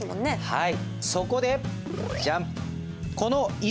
はい。